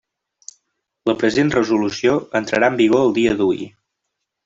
La present resolució entrarà en vigor el dia de hui.